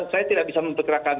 saya tidak bisa memperkerakan